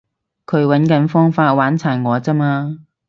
佢搵緊方法玩殘我咋嘛